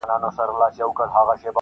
• پر زمري باندي د سختو تېرېدلو -